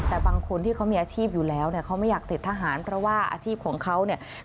แต่บางคนที่เขามีอาชีพอยู่แล้วเนี่ยเขาไม่อยากติดทหารเพราะว่าอาชีพของเขาเนี่ย